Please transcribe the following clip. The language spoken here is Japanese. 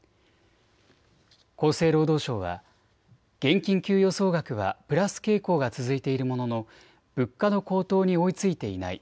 厚生労働省は現金給与総額はプラス傾向が続いているものの物価の高騰に追いついていない。